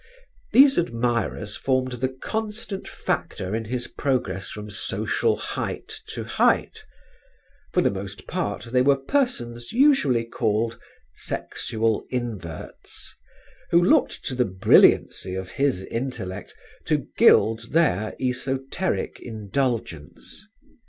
These admirers formed the constant factor in his progress from social height to height. For the most part they were persons usually called "sexual inverts," who looked to the brilliancy of his intellect to gild their esoteric indulgence.